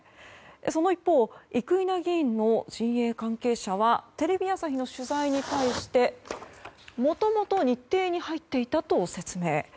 その一方、生稲議員の陣営関係者はテレビ朝日の取材に対してもともと日程に入っていたと説明。